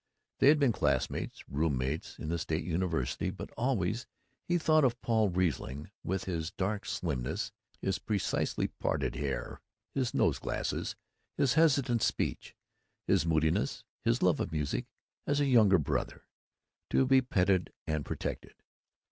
They had been classmates, roommates, in the State University, but always he thought of Paul Riesling, with his dark slimness, his precisely parted hair, his nose glasses, his hesitant speech, his moodiness, his love of music, as a younger brother, to be petted and protected.